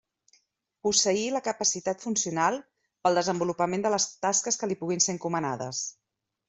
Posseir la capacitat funcional pel desenvolupament de les tasques que li puguin ser encomanades.